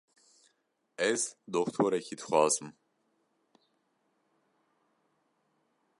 Ez doktorekî dixwazim.